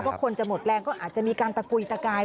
คนจะหมดแรงก็อาจจะมีการตะกุยตะกาย